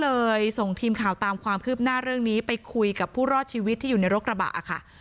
ส่งทีมข่าวตามความคืบหน้าเรื่องนี้ไปคุยกับผู้รอดชีวิตที่อยู่ในรถกระบะค่ะ